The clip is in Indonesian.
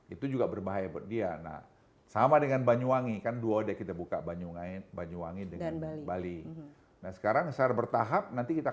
itu juga harus bisa dapat